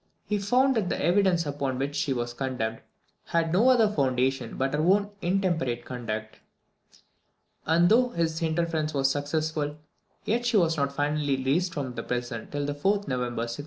He found that the evidence upon which she was condemned had no other foundation but her own intemperate conduct; and, though his interference was successful, yet she was not finally released from prison till the 4th November 1621.